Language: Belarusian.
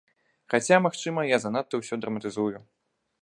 Хаця, магчыма, я занадта ўсё драматызую.